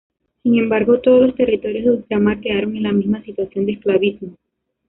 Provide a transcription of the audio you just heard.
Sin embargo, todos los territorios de ultramar quedaron en la misma situación de esclavismo.